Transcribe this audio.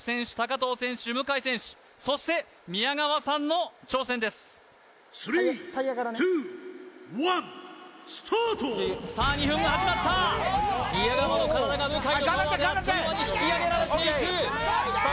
藤選手向選手そして宮川さんの挑戦ですスタートさあ２分が始まった宮川の体が向のパワーであっという間に引き上げられていくさあ